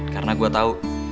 karena gue tau